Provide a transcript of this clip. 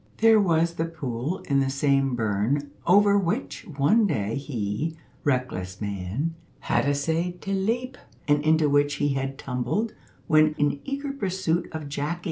There was the pool in the same burn over which one day he, reckless man, had essayed to leap, and into which he had tumbled, when in eager pursuit of Jacky.